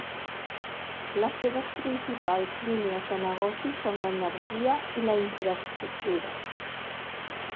Les seves principals línies de negoci són l'energia i la infraestructura.